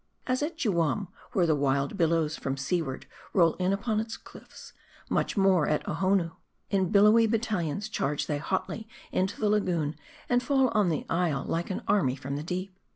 As at Juam, where the wild billows from seaward roll in upon its cliffs ; much more at Ohonoo, in billowy battalions charge they hotly into the M A R D I. 315 lagoon, and fall on the isle like an army from the deep.